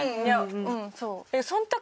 うんそう。